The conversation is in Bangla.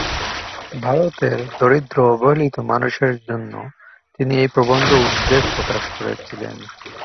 ভারতের দরিদ্র ও অবহেলিত মানুষের জন্য তিনি এই প্রবন্ধে উদ্বেগ প্রকাশ করেছিলেন।